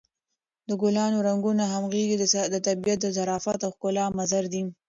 د ګلانو د رنګونو همغږي د طبیعت د ظرافت او ښکلا مظهر دی.